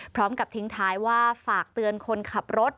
พร้อมกับทิ้งท้ายว่าฝากเตือนคนขับรถ